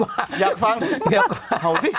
เห่าสิเห่าสิห่งสิเร็วอยากฟังเห่าสิ